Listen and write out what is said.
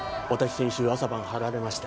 先週朝晩張られました